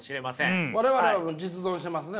我々は実存してますね？